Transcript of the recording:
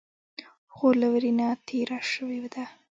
خور له ویرې نه تېره شوې ده.